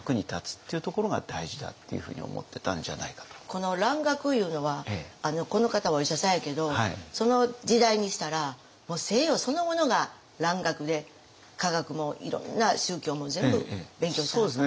この蘭学いうのはこの方はお医者さんやけどその時代にしたらもう西洋そのものが蘭学で科学もいろんな宗教も全部勉強してはったんですかね。